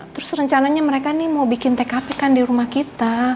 terus rencananya mereka ini mau bikin tkp kan di rumah kita